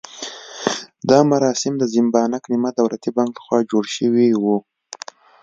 دا مراسم د زیمبانک نیمه دولتي بانک لخوا جوړ شوي وو.